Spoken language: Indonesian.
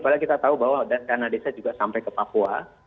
padahal kita tahu bahwa dana desa juga sampai ke papua